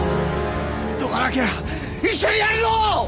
どかなきゃ一緒にやるぞ！